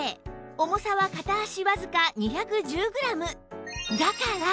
重さは片足わずか２１０グラム